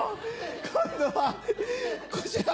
今度はこちら。